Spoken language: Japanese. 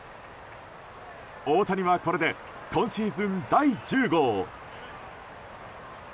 大谷はこれで今シーズン第１０号。